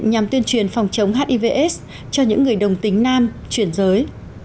nhằm tuyên truyền phòng chống hivs cho những người đồng tính nam chuyển giới